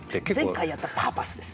前回やったパーパスです。